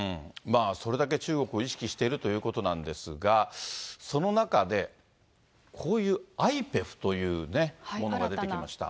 それだけ中国を意識しているということなんですが、その中で、こういうアイペフというものが出てきました。